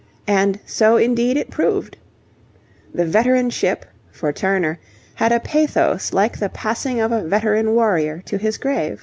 and so indeed it proved. The veteran ship, for Turner, had a pathos like the passing of a veteran warrior to his grave.